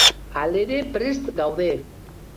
Halere, prest gaude.